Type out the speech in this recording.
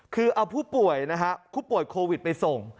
คือเอาผู้ป่วยนะฮะผู้ป่วยโควิดไปส่ง